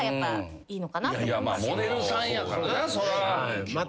モデルさんやからなそら。